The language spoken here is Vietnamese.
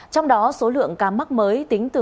trong đó số lượng ca mắc mới tính từ